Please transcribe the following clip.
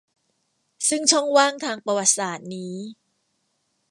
ซึ่งช่องว่างทางประวัติศาสตร์นี้